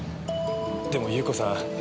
でも優子さん